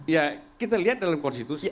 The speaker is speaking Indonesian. ya kita lihat dalam konstitusi